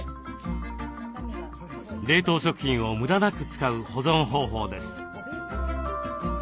冷凍食品を無駄なく使う保存方法です。